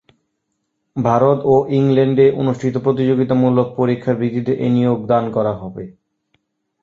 ভারত ও ইংল্যান্ডে অনুষ্ঠিত প্রতিযোগিতামূলক পরীক্ষার ভিত্তিতে এ নিয়োগ দান করা হবে।